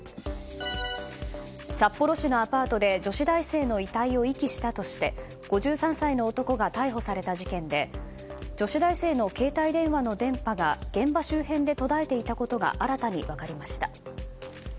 札幌市のアパートで女子大生の遺体を遺棄したとして５３歳の男が逮捕された事件で女子大生の携帯電話の電波が現場周辺で途絶えていたことが新たに分かりました。